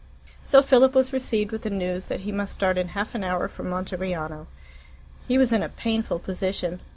So Philip was received with the news that he must start in half an hour for Monteriano. He was in a painful position.